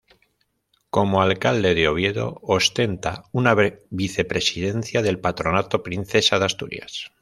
Como alcalde de Oviedo, ostenta una vicepresidencia del Patronato Princesa de Asturias.